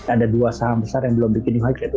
ada dua saham besar yang belum bikin new hype yaitu